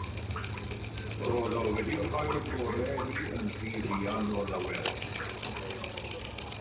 Roedd o wedi rhoi'r gore iddi yn rhy fuan o lawer.